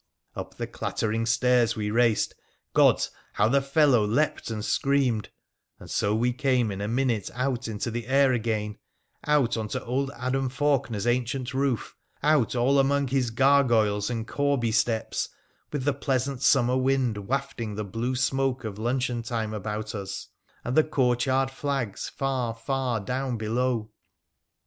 Up the clattering stairs we raced — gods, how the fellow leapt and screamed — and so we came in a minute out into the air again, out on to old Adam Faulkener's ancient roof, out all among his gargoyles and corbie steps, with the pleasant summer wind wafting the blue smoke of luncheon time about us, and the courtyard flags far, far down below.